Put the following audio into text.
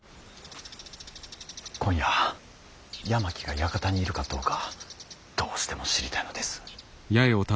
今夜山木が館にいるかどうかどうしても知りたいのです。